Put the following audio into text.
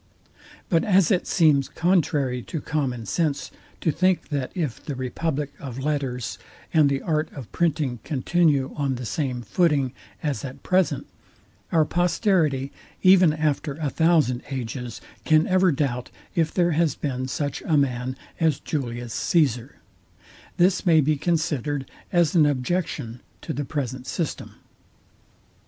But as it seems contrary to common sense to think, that if the republic of letters, and the art of printing continue on the same footing as at present, our posterity, even after a thousand ages, can ever doubt if there has been such a man as JULIUS CAESAR; this may be considered as an objection to the present system.